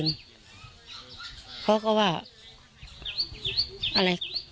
นางศรีพรายดาเสียยุ๕๑ปี